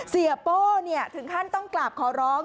เสียโป้เนี่ยถึงขั้นต้องกราบขอร้อง